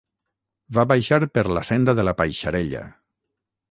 Va baixar per la senda de la Paixarella.